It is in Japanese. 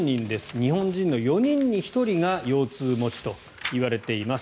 日本人の４人に１人が腰痛持ちといわれています。